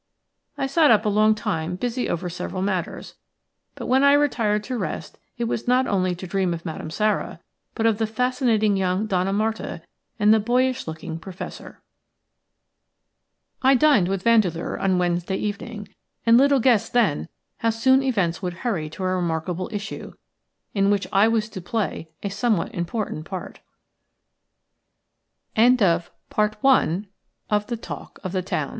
I sat up a long time busy over several matters: but when I retired to rest it was not only to dream of Madame Sara, but of the fascinating young Donna Marta and the boyish looking Professor. I dined with Vandeleur on Wednesday evening, and little guessed then how soon events would hurry to a remarkable issue, in which I was to play a